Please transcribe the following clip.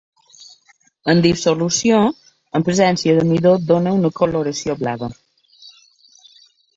En dissolució, en presència de midó dóna una coloració blava.